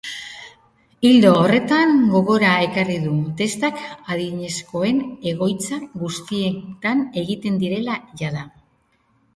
Ildo horretan, gogora ekarri du testak adinezkoen egoitza guztietan egiten direla jada.